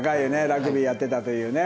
ラグビーやってたというね。